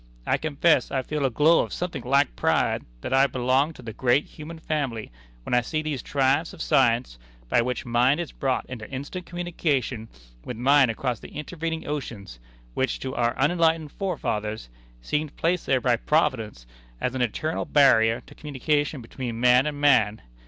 I confess I feel a glow of something like pride that I belong to the great human family when I see these triumphs of science, by which mind is brought into instant communication with mind across the intervening oceans, which, to our unenlightened forefathers, seemed placed there by Providence as an eternal barrier to communication between man and man.